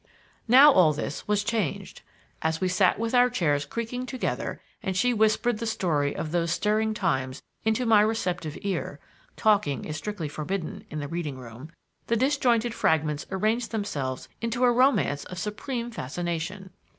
Now all this was changed. As we sat with our chairs creaking together and she whispered the story of those stirring times into my receptive ear talking is strictly forbidden in the reading room the disjointed fragments arranged themselves into a romance of supreme fascination.